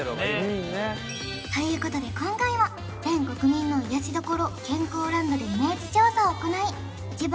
いいねということで今回は全国民の癒やしどころ健康ランドでイメージ調査を行いと思いますよいしょ！